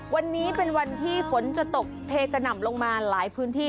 วันนี้เป็นวันที่ฝนจะตกเทกระหน่ำลงมาหลายพื้นที่